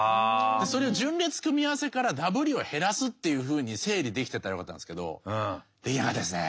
それを順列組み合わせからダブリを減らすっていうふうに整理できてたらよかったんですけどできなかったですね。